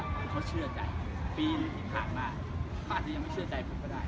เพราะว่าเขาเชื่อใจปีนี่หีกผ่านมาผ้าจะยังไม่เชื่อใจผมก็ได้